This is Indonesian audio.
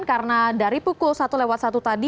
karena dari pukul satu lewat satu tadi